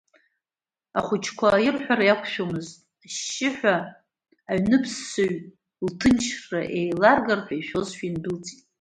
Ахәыҷқәа ирҳәара иақәшәомызт, ашьшьыҳәа, аҩныԥссаҩ лҭынчра еиларгар ҳәа ишәозшәа, индәылҵит.